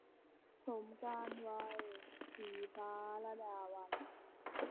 สมการวัย - ศรีฟ้า ลดาวัลย์